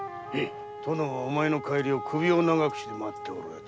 殿はお前の帰りを首を長くして待っておられた。